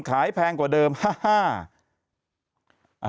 ขายแพงกว่าเดิมฮ่า